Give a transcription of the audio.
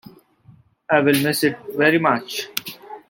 I will miss it very much.